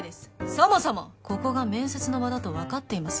そもそもここが面接の場だと分かっています？